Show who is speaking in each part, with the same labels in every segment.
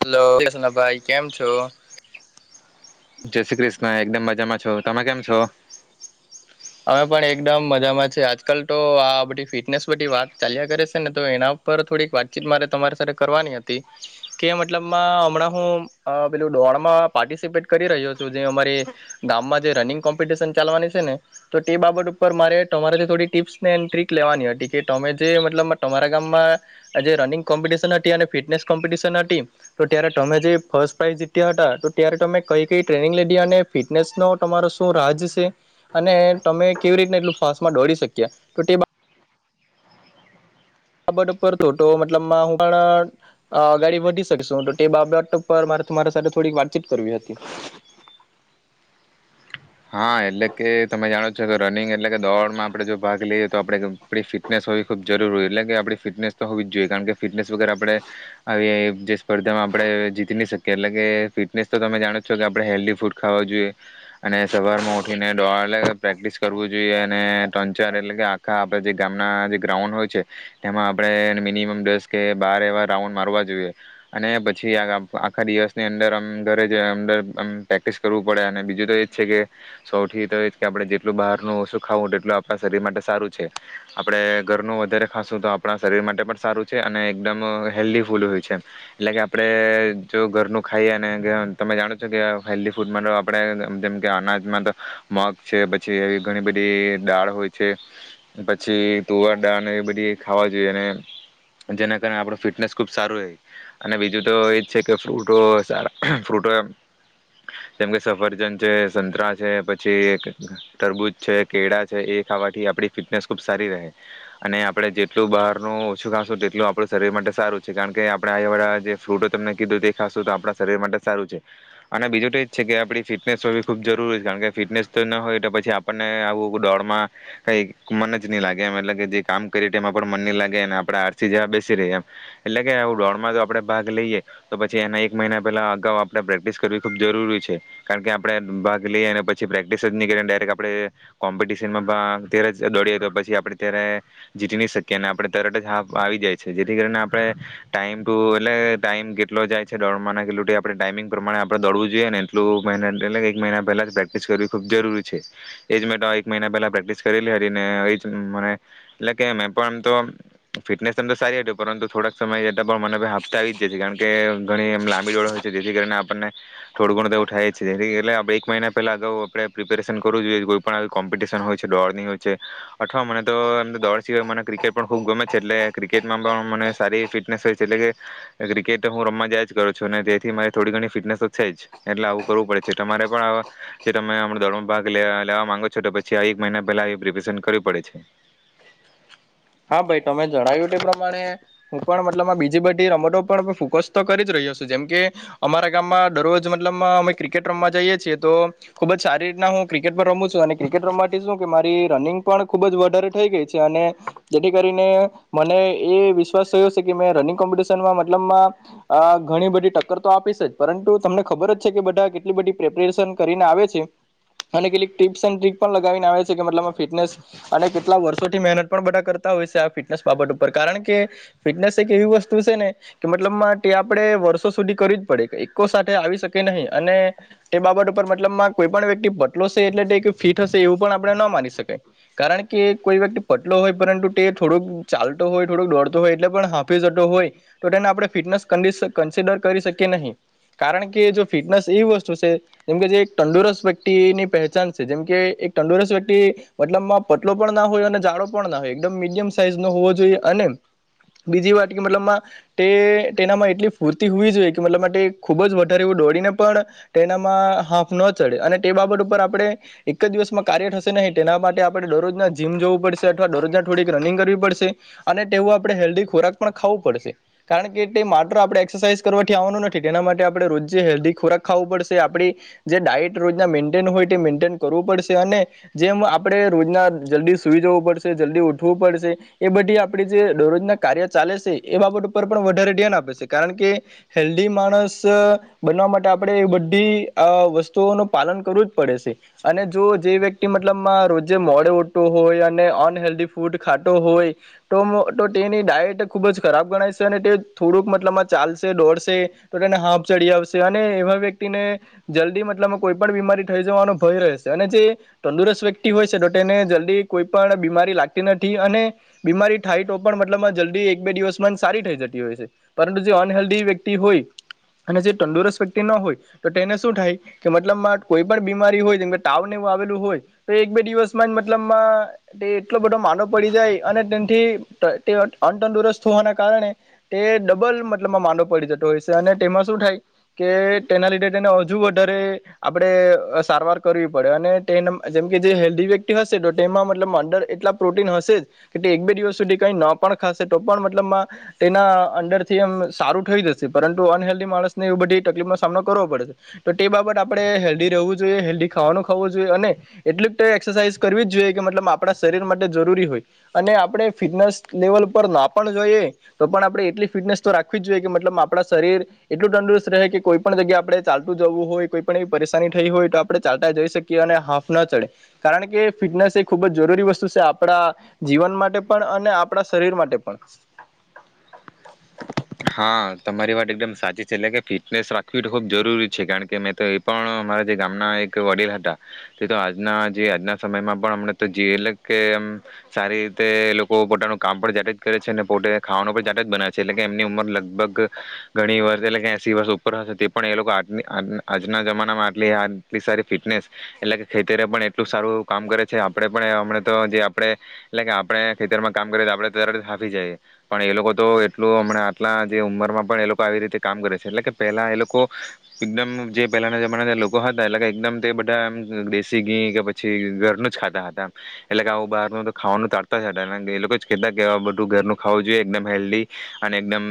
Speaker 1: Hello [unintelligible] ભાઈ કેમ છો?
Speaker 2: જય શ્રી કૃષ્ણ, એકદમ મજામાં છો, તમે કેમ છો?
Speaker 1: અમે પણ એકદમ મજામાં છે. આજકાલ તો આ બધી ફિટનેસ બધી વાત ચાલ્યા કરે છે ને તો એના ઉપર થોડીક વાતચીત મારે તમારી સાથે કરવાની હતી, કે મતલબમાં હમણાં હું પેલું દોડમાં પાર્ટિસિપેટ કરી રહ્યો છું જે અમારી ગામમાં જે રનિંગ કોમ્પિટિશન ચાલવાની છે ને તો તે બાબત ઉપર મારે તમારેથી થોડી ટિપ્સને એ ટ્રીક લેવાની હતી કે તમે જે મતલબ મે તમારા ગામમાં જે રનિંગ કોમ્પિટિશન હતી અને ફિટનેસ કોમ્પિટિશન હતી તો ત્યારે તમે જે ફર્સ્ટ પ્રાઇઝ જીત્યા હતા તો ત્યારે તમે કઈ-કઈ ટ્રેનિંગ લીધી અને ફિટનેસનો તમારો શું રાજ છે, અને તમે કેવી રીતને એટલું ફાસ્ટમાં દોડી શક્યા, તો તે બા બાબત ઉપર થોતો મતલબ હું પણ ગાડી વધી શકશું તો તે બાબટ પર મારે તમારા સાથે થોડીક વાતચીત કરવી હતી.
Speaker 2: હા એટલે કે તમે જાણો છો કે રનિંગ એટલે કે દોડમાં આપણે જો ભાગ લઈએ તો આપણે આપણી ફિટનેસ હોવી ખૂબ જરૂર હોય એટલે કે આપણી ફિટનેસ તો હોવી જ જોઈએ, કારણ કે ફિટનેસ વગર આપણે અહ જે સ્પર્ધામાં આપણે જીતી નહી શકીએ એટલે કે ફિટનેસ તો તમે જાણો છો કે આપણે હેલ્ધી ફૂડ ખાવા જોઈએ, અને સવારમાં ઉઠીને દોઆલે પ્રેક્ટિસ કરવું જોઈએ, અને ત્રણ ચાર એટલે કે આખા આપણા જે ગામના જે ગ્રાઉન્ડો હોય છે એમાં આપણે મિનિમમ દસ કે બાર એવા રાઉન્ડ મારવા જોઈએ, અને પછી આ આખા દિવસની અંદર અમ ઘરે જ અંદરમ પ્રેક્ટિસ કરવું પડે અને બીજું તો એ જ છે કે સૌથી તો એ કે આપણે જેટલું બહારનું ઓછુંખાવું તેટલું આપણા શરીર માટે સારું છે. આપણે ઘરનું વધારે ખાશું તો આપણા શરીર માટે પણ સારું છે, અને એકદમ હેલ્ધી ફૂડ હોય છે, એટલે કે આપણે જો ઘરનું ખાઈએ અને ગ્ર તમે જાણો છો કે હેલ્ધી ફૂડ માટે આપણે જેમ કે અનાજ માં તો મગ છે, પછી એવી ઘણી બધી દાળ હોય છે, પછી તુવાર દાળ એવી બધી ખાવા જોઈએ, અને જેના કારણે આપણું ફિટનેસ ખુબ સારું રહે અને બીજું તો એજ છે કે ફ્રૂટો સારા ફ્રૂટો જેમકે સફરજન છે, સંતરા છે, પછી તરબૂજ છે, કેળા છે, એ ખાવાથી આપડી ફિટનેસ ખુબ સારી રહે અને આપણે જેટલું બહારનું ઓછું ખાશું તેટલું આપણું શરીર માટે સારું છે, કારણ કે આપણેે આય વાળા જે ફ્રૂટો તમને કીધું તે ખાશું તો આપણા શરીર માટે સારું છે, અને બીજું તો એજ છે કે આપડી ફિટનેસ હોવી ખુબ જરૂરી છે. કારણ કે ફિટનેસ તો ના હોય તો પછી આપણને આવું દોડમાં કંઈક મન જ નહી લાગે એમ, એટલે કે જે કામ કરી તેમા પણ મન નહી લાગે, અને આપણા [unintelligible] જવા બેસી રહે એમ, એટલે કે આવું દોડમાં જો આપણે ભાગ લઈએ તો પછી એના એક મહિના પેલા અગાઉ આપણે પ્રેક્ટિસ કરવી ખૂબ જરૂરી છે, કારણકે આપણે બ ગી લઈએ અને પછી પ્રેક્ટિસ જ નહી કરી અને ડાયરેક્ટ આપણે કોમ્પિટિશનમાં ભા ત્યારે દોડીએ તો પછી આપણે ત્યારે જીતી નહી શકીએ અને આપણે તરત જ હા આવી જાય છે, જેથી કરીને આપણે ટાઈમ ટુ એટલે ટાઈમ કેટલો જાય છે દોડવા કેટલું આપણે ટાઈમિંગ પ્રમાણે આપણે દોડવું જોઈએ ને એટલું મહિ એટલે એક મહિના પહેલા પ્રેક્ટિસ કરવી ખૂબ જરૂરી છે. એજ મેં તો એક મહિના પહેલા પ્રેક્ટિસ કરેલી હતી ને એ મને એટલે કે મેં પણ તો ફિટનેસ એમ તો સારી હતી પરંતુ થોડાક સમય જતા પણ મને હાફ તો આવી જ જતી, કારણ કે ઘણી એ લાંબી ડોળ હોય છે, જેથી કરી આપણને થોડું ગુણો તો ઉઠાય જ છે એટલે કે આપણે મહિના પહેલાં અગાઉ આપણે પ્રિપેરેશન કરવું જોઈએ, કોઈ પણ આવી કોમ્પિટિશન હોય છે દોડની હોય છે, અથવા મને તો એમ તો દોડ સિવાય મને ક્રિકેટ પણ ખૂબ ગમે છે એટલે ક્રિકેટમાં પણ મને સારી એવી ફિટનેસ હોય છે, એટલે કે ક્રિકેટ હું રમવા જાય જ કરું છું અને તેથી મારે થોડી ઘણી ફિટનેસ તો છે જ, એટલે આવું કરવું પડે છે. તમારે પણ આવા જે તમે [unintelligible] દોડ ભાગ લે-લે લેવા માંગો છો તો પછી આ એક મહિના પહેલા આવી પ્રિપેરેશન કરવી પડે છે.
Speaker 1: હા ભાઈ તમે જણાવ્યું તે પ્રમાણે હું પણ મતલબમાં બીજી બધી રમતો પર ફોકસ તો કરી જ રહ્યો છું, જેમ કે અમારા ગામમાં દરરોજ મતલબમાં અમે ક્રિકેટ રમવા જઈએ છીએ તો ખુબ જ સારી રીતના હું ક્રિકેટ પણ રમું છું, અને ક્રિકેટ રમવાથી શું કે મારી રનિંગ પણ ખુબ જ વધારે થઈ ગઈ છે અને જેથી કરીને મને એ વિશ્વાસ થયો છે કે મેં રનિંગ કોમ્પિટિશનમાં મતલબમાં અહ ઘણી બધી ટક્કર તો આપી છે જ, પરંતુ તમને ખબર જ છે કે બધા કેટલી બધી પ્રેપેરેશન કરીને આવે છે, અને કેટલીક ટીપ્સ એન્ડ ટ્રિક પણ લગાવીને આવે છે, કે મતલબમાં ફિટનેસ અને કેટલા વર્ષોથી મેહેનત પણ બધા કર તા હોય છે આ ફિટનેસ બાબત ઉપર, કારણ કે ફિટનેસ એક એવી વસ્તુ છે ને કે મતલબ તે આપણે વર્ષો સુધી કરવી જ પડે, એકકો સાથે આવી શકે નહીં અને તે બાબત ઉપર મતલબમાં કોઈ પણ વ્યક્તિ પટલો સે એટલે કે ફીટ હશે એવું પણ આપણે ન માની શકાય, કારણ કે કોઈ વ્યક્તિ પટલો હોય પરંતુ તે થોડોક ચાલતો હોય, થોડુંક દોડતો હોય એટલે પણ હાંફી જતો હોય, તો તેને આપણે ફિટનેસ કન્ડીશન કન્સિડર કરી શકીએ નહી, કારણ કે જો ફિટનેસ એવી વસ્તુ છે જેમકે જે એક તંદુરસ્ત વ્યક્તિની પહેચાન છે જેમકે એક તંદુરસ્ત વ્યક્તિ મતલબમાં પતલો પણ ના હોય અને જાડો પણ ના હોય. એકદમ મીડિયમ સાઈઝ નો હોવો જોઈએ અને બીજી વાત કે મતલબમાં તે તેનામાં એટલી ફૂર્તી હોવી જોઈએ, કે મતલબમાં તે ખૂબ જ વધારે એવું દોડીને પણ તેનામાં હાફ ન ચડે, અને તે બાબત ઉપર આપણે એક જ દિવસમાં કાર્ય થશે નહી તેના માટે આપણે દરરોજના જીમ જવું પડશે અથવા દરરોજના થોડીક રનિંગ કરવી પડશે, અને તેવું આપણે હેલ્ધી ખોરાક પણ ખાવું પડશે, કારણ કે તે માત્ર આપણે એક્સરસાઇઝ કરવાથી આવવાનું નથી તેના માટે આપણે રોજ જે હેલ્ધી ખોરાક ખાવું પડશે, આપડી જે ડાઈટ રોજના મેન્ટેન હોય તે મેન્ટેન કરવું પડશે, અને જેમ આપણે રોજના જલ્દી સુઈ જવું પડશે, જલ્દી ઉઠ વું પડશે એ બધી આપડી જે દરરોજના કાર્ય ચાલે છે, એ બાબત ઉપર પણ વધારે ધ્યાન આપે છે, કારણ કે હેલ્ધી માણસ બનવા માટે આપણે એ બધી અહ વસ્તુઓનું પાલન કરવું જ પડે સે. અને જો જે વ્યક્તિ મતલબમાં રોજે મોડે ઉઠવો હોય અને અનહેેલ્ધી ફૂડ ખાતો હોય તો તો તેની ડાયટ ખૂબ જ ખરાબ ગણાય છે અને તે થોડુંક મતલબમાં ચાલશે, દોડશે તો તેને હાંફ ચડી આવશે, અને એવા વ્યક્તિને જલ્દી મતલબમાં કોઈ પણ બીમારી થઈ જવાનો ભય રહે શે, અને જે તંદુરસ્ત વ્યક્તિ હોય છે તો તેને જલ્દી કોઈ પણ બીમારી લાગ તી નથી અને બીમારી થાય તો પણ મતલબમાં જલ્દી એક બે દિવસમાં જ સારી થઈ જતી હોય છે, પરંતુ જે અનહેલ્ધી વ્યક્તિ હોય અને જે તંદુરસ્ત વ્યક્તિ ન હોય તો તેને શું થાય કે મતલબમાં કોઈ પણ બીમારી હોય જેમકે તાવ ને એવું આવેલું હોય તો એક બે દિવસમાં જ મતલબમાં તે એટલો બધો માંદો પડી જાય, અને તેનથી તે અ અનતંદુરસ્ત હોવાના કારણે તે ડબલ મતલબમાં માંદો પડી જતો હોય છે, અને તેમાં શું થાય કે તેના લીધે તેને વધુ વધારે આપણે સારવાર કરવી પડે અને તે નમ જેમ કે જે હેલ્ધી વ્યક્તિ હશે તો તેમાં મતલબ અંડર એટલા પ્રોટીન હશે જ કે તે એક બે દિવસ સુધી કંઈ ન પણ ખાશે તો પણ મતલબમાં તેના અંંદરથી એમ સારું થઈ જશે, પરંતુ અનહેેલ્ધી માણસને એવી બધી તકલીફનો સામનો કરવો પડશે. તો તે બાબતે આપણે હેલ્ધી રહેવું જોઈએ, હેલ્ધી ખાવાનું ખાવું જોઈએ, અને એટલીક તો એક્સરસાઇઝ કરવી જ જોઈએ કે મતલબ આપણા શરીર માટે જરૂરી હોય અને આપણે ફિટનેસ લેવલ પર ના પણ જોઈએ તો પણ આપણે એટલી ફિટનેસ તો રાખવી જ જોઈએ કે મતલબ આપણા શરીર એટલું તંદુરસ્ત રહે કે કોઈ પણ જગ્યા આપણે ચાલતું જવું હોય, કોઈ પણ એવી પરેશાની થઈ હોય, તો આપણે ચાલતા જઈ શકીએ અને હાફ ના ચડે, કારણ કે ફિટનેસ એ ખૂબ જ જરૂરી વસ તુ શું છે આપણા જીવન માટે પણ અને આપણા શરીર માટે પણ.
Speaker 2: હા તમારી વાત એકદમ સાચી છે, એટલે કે ફિટનેસ રાખવી ખુબ જરૂરી છે, કારણ કે મેં તો એ પણ અમારા જે ગામના એક વડીલ હતા તે તો આજના જે આજના સમયમાં પણ અમને જેલ કે સારી રીતે લોકો પોતાનું કામ પણ જાતે જ કરે છે, ને પોતે ખાવાનું પણ જા જ બનાવે છે, એટલે એમની ઉંમર લગભગ ઘણી વર્ષ એટલે કે એસી વર્ષ ઉપર હશે, તે પણ એ લોકો આજની આજ આજના જમાનામાં આટલી-આટલી સારી ફિટનેસ એટલે કે ખેતરે પણ એટલું સારું કામ કરે છે, આપણેે પણ એવા હમણે તો જે આપણે એટલે કે આપણે ખેતરમાં કામ કરીએ તો આપણે તર હાફી જાઈએ, પણ એ લોકો તો એ એટલો હમણાં આટલા જે ઉંમરમાં પણ એ લોકો આવી રીતે કામ કરે છે, એટલે કે પહેલા એ લોકો એકદમ જે પહેલાના જમાના લોકો હતા એટલે કે એકદમ તે બધા એમ દેશી ઘી કે પછી ઘરનું જ ખાતા હતા, એટલે કે આવું બહારનું તો ખાવાનું તારતા જ હતા, એ લોકો જ કહેતા કે બધું ઘરનું ખાવું જોઈએ એકદમ હેલ્ધી. અને એકદમ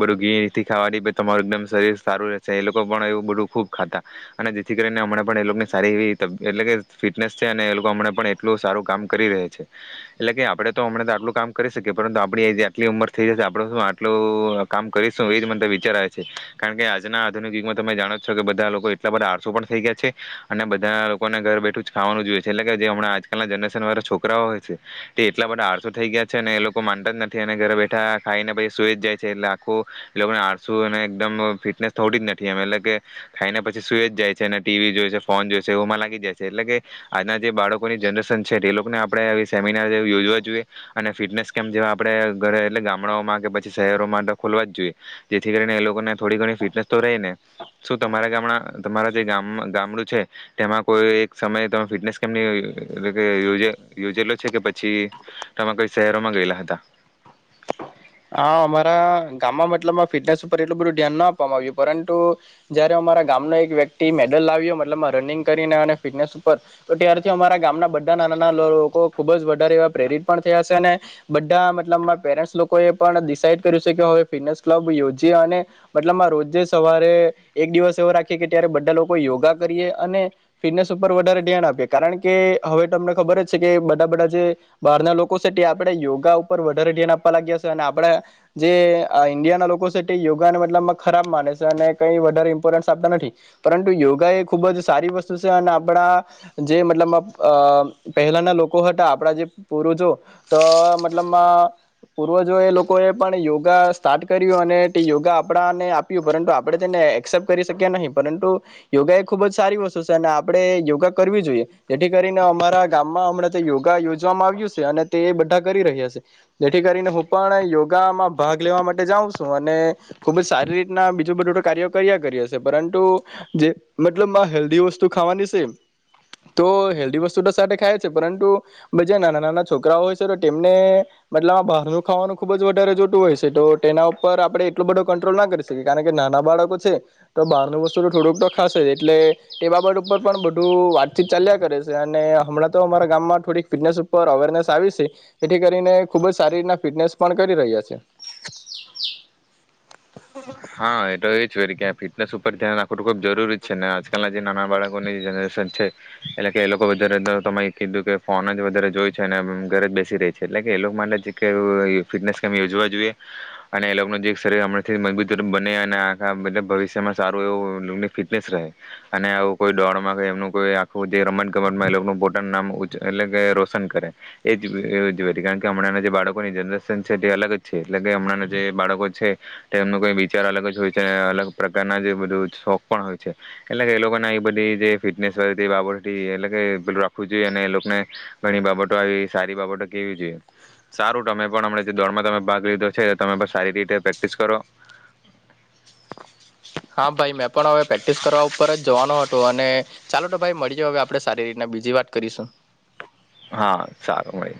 Speaker 2: બધું ઘીથી ખાવાથી ભઈ તમારું એકદમ શરીર સારું રહેશે, એ લોકો પણ એવું બધું ખુબ ખાતા, અને જેથી કરીને હમણે પણ એ લોકોની સારી એવી તક એટલે કે ફિટનેસ છે, અને એ લોકો હમના પણ એટલું સારું કામ કરી રહે છે. એટલે કે આપડે તો હમણાથી આટલું કામ કરી શકીએ પરંતુ આપણી એજે આટલી ઉંમર [unintelligible] આપણો શું આટલું કામ કરીશું એ જ મન તો વિચાર આવે છે, કારણ કે આજના આધુનિક યુગમાં તમે જાણો છો કે બધા લોકો એટલા બધા આળસું પણ થઈ ગયા છે, અને બધા લોકોને ઘર બેઠું જ ખાવાનું જોઈએ છે, એટલે કે જે હમના આજકાલના જનરેશન વાળા છોકરાઓ હોય છે તે એટલા બધા આળસું થઈ ગયા છે અને એ લોકો માનતા જ નથી અને ઘરે બેઠ ઠા ખાઈને પછી સુઈ જાય છે, એટલે આખું એ લોકને આળસું અને એકદમ ફિટનેસ થોડી જ નથી એમ, એટલે કે ખાઈને પછી સુઈ જ જાય છે અને ટીવી જોઈ છે, ફોન જોઈ છે, ઓમાં લાગી જાય છે એટલે કે આજના જે બાળકોની જનરેશન છે તે લોકને આપડે આવી સેમિનાર [unintelligible] યોજવા જોઈએ અને ફિટનેસ કેમ જે આપડે ઘર એટલે કે ગામડાઓમાં કે પછી શહેરોમાં ખોલવા જ જોઈએ, જેથી કરીને એ લોકોને થોડી ઘણી ફિટનેસ તો રહે ને એમ. શું તમારા ગામડા તમારા જે ગામ ગામડું છે તેમાં કોઈ એક સમયે તો ફિટનેસ કેમ્પની એટલે કે યોજે યોજેલો છે, કે પછી તમે કોઈ શહેરોમાં ગયેલા હતા?
Speaker 1: હા અમારા ગામમાં મતલબમાં ફિટનેસ ઉપર એટલું બધું ધ્યાન ના આપવામાં આવ્યું, પરંતુ જયારે અમારા ગામના એક વ્યક્તિ મેડલ લાવ્યો મતલબમાં રનિંગ કરીને અને ફિટનેસ ઉપર તો ત્યારથી, અમારા ગામના બધા નાના-નાના લોકો ખુબ જ વધારે એવા પ્રેરિત પણ થયા છે, અને બધા મતલબમા પેરેન્ટ્સ લોક કે પણ ડિસાઈડ કર્યું છે કે હવે ફિટનેસ ક્લબ યોજીએ અને મતલબમાં રોજે સવારે એક દિવસ એવો રાખીએ કે ત્યારે બધા લોકો યોગા કરીએ, અને ફિટનેસ ઉપર વધારે ધ્યાન આપીએ, કારણ કે હવે તમને ખબર છે કે બધા-બધા જે બહારના લોકો છે તે આપણેે યોગા ઉપર વધારે ધ્યાન આપવા લાગ્યા છે. અને આપણા જે અહ ઇન્ડિયા ના લોકો છે તે યોગાને મતલબ ખરાબ માને છે, અને કઈ વધારે ઇમ્પોર્ટન્સ આપતા નથી, પરંતુ યોગા એ ખુબ જ સારી વસ્તુ છે, અને આપણા જે મતલબમાં અહ પહેલાના લોકો હતા આપણા જે પુરુજો તો મતલબમા પુ પૂર્વજો એ લોકોએ પણ યોગા સ્ટાર્ટ કર્યું અને તે યોગા આપણાને આપ્યું પરંતુ આપણે તેને એક્સેપ્ટ કરી શક્યા નહીં, પરંતુ યોગા એ ખુબ જ સારી વસ્તુ છે અને આપણે યોગા કરવી જોઈએ, જેથી કરીને અમારા ગામમાં હમણાં તે યોગા યોજવામાં આવ્યું છે અને તે એ બધા કરી રહ્યા છે, જેથી કરીને હું પણ યોગામાં ભાગ લેવા માટે જાઉં છું, અને ખુબ જ સારી રીતના બીજું બધું કાર્યો કર્યા કર્યા છે પરંતુ જે મતલબમા હેલ્ધી વસ્તુ ખાવાની સે, તો હેલ્ધી વસ્તુ તો સાથે ખાય છે પરંતુ બજા નાના-નાના છોકરાઓ હોય છે તો તેમને મતલબ [unintelligible] ખાવાનું ખુબ જ વધારે જોતું હોય છે, તો તેના ઉપર આપણે એટલો બધો કંટ્રોલ ના કરી શકીએ, કારણ કે નાના બાળકો છે તો બહારનું વસ્તુ તો થોડુંક તો ખાશે જ, એટલે ટે બાબટ ઉપર પણ બધું વાતચીત ચાલ્યા કરે છે અને હમણાં તો અમારા ગામમાં થોડીક ફિટનેસ ઉપર અવેરનેસ આવી છે, જેથી કરીને ખૂબ જ સારી રીતના ફિટનેસ પણ કરી રહ્યા છે.
Speaker 2: હા એ તો એ જ હોય કે ફિટનેસ પર ધ્યાન આપો ખૂબ જરૂરી છેને આજકાલના જે નાના બાળક [unintelligible] છે એટલે કે એ લોકો વધ કીધું કે ફોન જ વધારે જોય છે અને ઘરે જ બેસી રહી છે એટલે કે એ લોકો માટે ફિટનેસ કે યોજવા જોઈએ અને એ લોકોનું જે શરીર હમણાથી મજબૂત. બને અને આખા એ ભવિષ્યમાં સારું એવુંની ફિટનેસ રહે અને આવું કોઈ દોડમાં એમનું કોઈ આખું જે રમત ગમતમાં એ પોતાનું નામ એટલે કે રોશન કરે એ જ કારણ કે હમણાં જે બાળકોની જનરેશન છે તે અલગ જ છે એટલે કે હમણાં જે બાળકો છે એમનુંઈ. વિચાર અલગ જ હોય છે અને અલગ પ્રકારના જે બધું શોખ પણ હોય છે એટલે કે એ લોકોને એ બધી જે ફિટનેસ બાબથી એટલે કે પેલું રાખવું જોઈએ અને એ લોકોને ઘણી બાબતો આવી સારી બાબતો કેવી જોઈએ સારું તમે પણ હમ જે દોડમાં તમે ભાગ લીધો છે તમે પણ સારી રીતે પ્રેક્ટિસ કરો. [inaudible]
Speaker 1: હા ભાઈ મેં પણ હવે પ્રેક્ટિસ કરવા ઉપર જ જવાનો હતો અને ચાલો તો ભાઈ મળી જ હવે આપણેે સારી રીતના બીજી વાત કરીશું.
Speaker 2: હા સારું મળી.